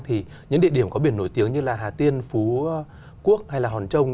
thì những địa điểm có biển nổi tiếng như là hà tiên phú quốc hay là hòn trông